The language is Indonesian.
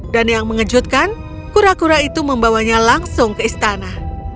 dan yang mengejutkan kura kura itu membawanya langsung ke istana